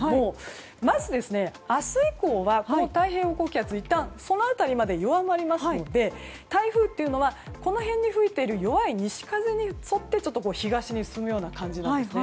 まず、明日以降は太平洋高気圧はいったんその辺りまで弱まりますので台風というのはこの辺に吹いている弱い西風に向かって東に進むような感じなんですね。